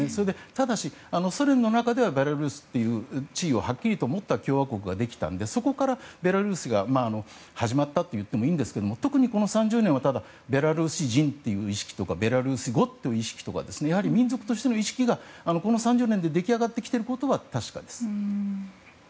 ただし、ソ連の中ではベラルーシという地位をはっきりと持った共和国ができたのでそこからベラルーシが始まったといってもいいんですが特にこの３０年はベラルーシ人っていう意識とかベラルーシ語という意識とか民族としての意識がこの３０年で出来上がってきていることは確かです。